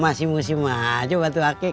masih musim aja waktu akik